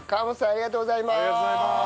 ありがとうございます。